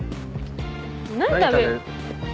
何食べる？